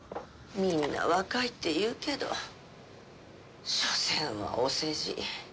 みんな若いって言うけどしょせんはお世辞。